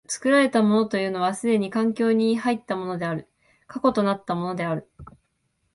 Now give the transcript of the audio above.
作られたものというのは既に環境に入ったものである、過去となったものである。